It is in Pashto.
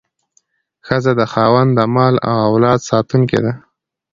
ښځه د خاوند د مال او اولاد ساتونکې ده.